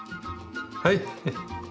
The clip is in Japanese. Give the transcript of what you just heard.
はい。